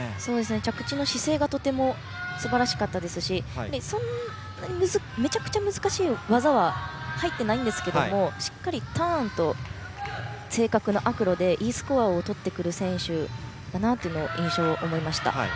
着地の姿勢がとてもすばらしかったですしそんなにめちゃくちゃ難しい技は入ってないんですけれどもしっかりターンとアクロでＥスコアを取ってくる選手だという印象を受けました。